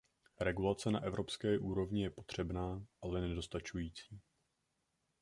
Regulace na evropské úrovni je potřebná, ale nedostačující.